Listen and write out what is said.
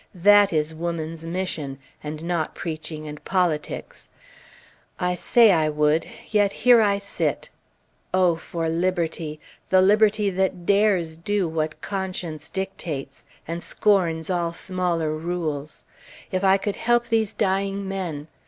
That is woman's mission! and not Preaching and Politics. I say I would, yet here I sit! O for liberty! the liberty that dares do what conscience dictates, and scorns all smaller rules! If I could help these dying men!